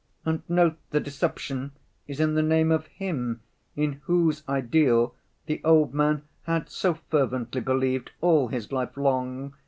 And note, the deception is in the name of Him in Whose ideal the old man had so fervently believed all his life long.